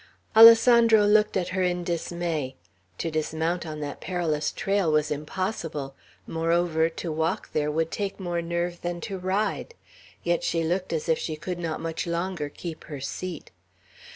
Alessandro looked at her in dismay. To dismount on that perilous trail was impossible; moreover, to walk there would take more nerve than to ride. Yet she looked as if she could not much longer keep her seat.